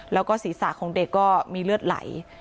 แล้วก็ศีรษะของเด็กก็มีเลือดไหล